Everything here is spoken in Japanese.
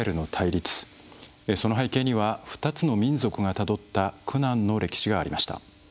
その背景には２つの民族がたどった苦難の歴史がありました。